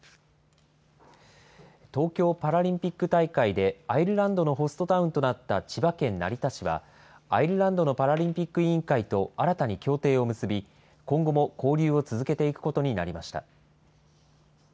東京パラリンピック大会でアイルランドのホストタウンとなった千葉県成田市は、アイルランドのパラリンピック委員会と新たに協定を結び、今後も交流を続けていくことになりました。